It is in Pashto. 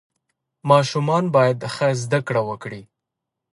ماشومان باید ښه زده کړه وکړي.